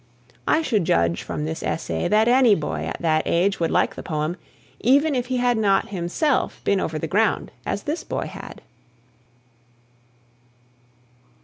I should judge from this essay that any boy at that age would like the poem, even if he had not himself been over the ground as this boy had.